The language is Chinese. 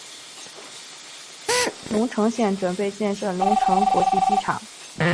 隆城县准备建设隆城国际机场。